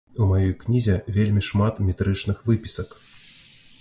У маёй кнізе вельмі шмат метрычных выпісак.